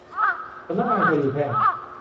สำนักงานคดีแพ่ง